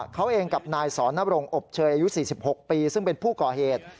เขาเองกับนายสอนรงอบเชยอายุ๔๖ปีซึ่งเป็นผู้ก่อเหตุ